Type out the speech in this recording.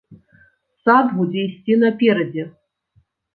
Сад будзе ісці наперадзе!